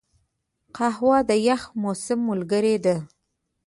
قهوه د یخ موسم ملګرې ده